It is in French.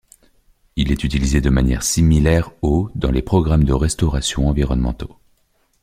Il est utilisé de manière similaire au dans les programmes de restauration environnementaux.